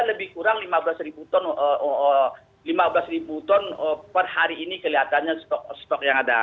lebih kurang lima belas ribu ton per hari ini kelihatannya stok yang ada